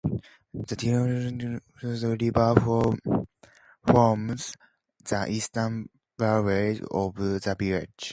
The Tioughnioga River forms the eastern boundary of the village.